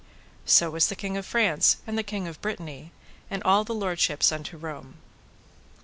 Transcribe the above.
So was the King of France, and the King of Brittany, and all the lordships unto Rome.